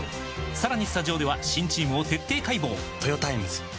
さらにスタジオでは新チームを徹底解剖！